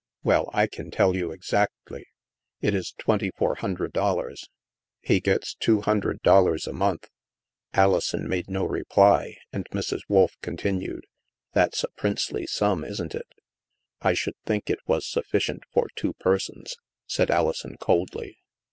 " Well, I can tell you exactly. It is twenty four hundred dollars. He gets two hundred dollars a month." Alison made no reply, and Mrs. Wolf continued :" That's a princely sum, isn't it? "" I should think it was sufficient for two persons," said Alison coldly.